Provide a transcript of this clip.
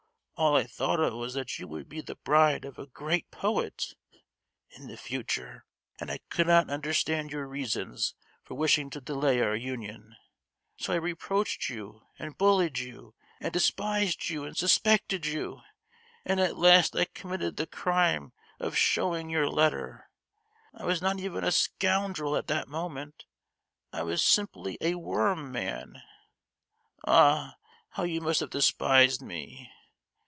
All I thought of was that you would be the bride of a great poet (in the future), and I could not understand your reasons for wishing to delay our union! So I reproached you and bullied you, and despised you and suspected you, and at last I committed the crime of showing your letter! I was not even a scoundrel at that moment! I was simply a worm man. Ah! how you must have despised me!